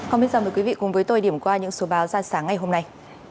hôm nay xin mời quý vị cùng với tôi điểm qua những số báo ra sáng ngày hôm nay